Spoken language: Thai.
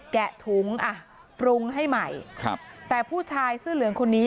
แกะถุงอ่ะปรุงให้ใหม่ครับแต่ผู้ชายเสื้อเหลืองคนนี้